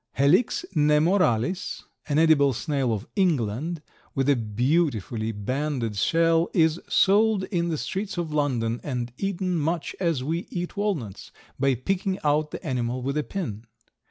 Helix nemoralis, an edible snail of England, with a beautifully banded shell, is sold in the streets of London and eaten much as we eat walnuts, by picking out the animal with a pin!